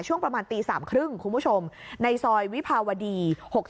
ช่วงประมาณตี๓๓๐คุณผู้ชมในซอยวิภาวดี๖๓